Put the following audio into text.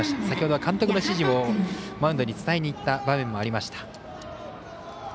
先ほどは監督の指示をマウンドに伝えにいった場面もありました。